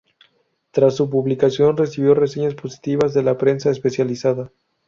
Tras su publicación recibió reseñas positivas de la prensa especializada.